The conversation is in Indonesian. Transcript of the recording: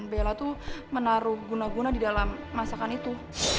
bella itu menaruh guna guna di dalam masakan itu